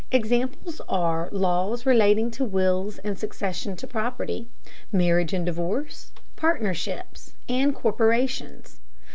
Examples are laws relating to wills and succession to property, marriage and divorce, partnerships, and corporations.